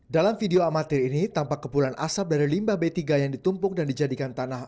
dalam video amatir ini tampak kepulan asap dari limbah b tiga yang ditumpuk dan dijadikan tanah